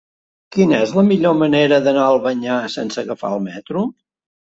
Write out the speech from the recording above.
Quina és la millor manera d'anar a Albanyà sense agafar el metro?